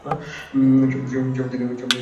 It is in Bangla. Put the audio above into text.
ছবি দেখে তোমাকে ভালো লেগেছিল।